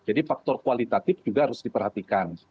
jadi faktor kualitatif juga harus diperhatikan